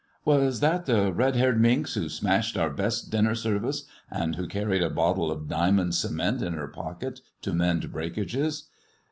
" Was that the red haired minx who smashed our best iinner service, and who carried a bottle of diamond cement in her pocket to mend breakages